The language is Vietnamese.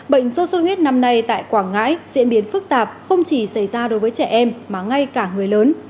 bệnh sốt xuất huyết năm nay tại quảng ngãi diễn biến phức tạp không chỉ xảy ra đối với trẻ em mà ngay cả người lớn